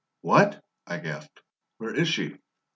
"What?" I gasped. "Where is she?"